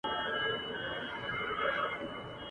زما په غاړه یې دا تروم را ځړولی ..